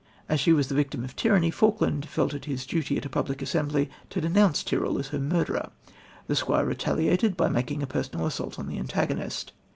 As she was the victim of tyranny, Falkland felt it his duty at a public assembly to denounce Tyrrel as her murderer. The squire retaliated by making a personal assault on his antagonist.